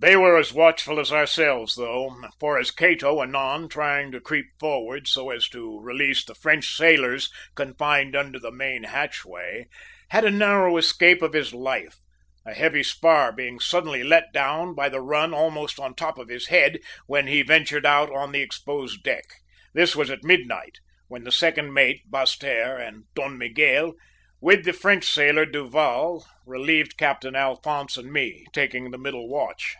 "They were as watchful as ourselves, though, for as Cato, anon, trying to creep forwards so as to release the French sailors confined under the main hatchway, had a narrow escape of his life, a heavy spar being suddenly let down by the run almost on top of his head when he ventured out on the exposed deck. This was at midnight, when the second mate, Basseterre, and Don Miguel, with the French sailor Duval, relieved Captain Alphonse and me, taking the middle watch.